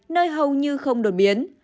nơi hầu như không đột biến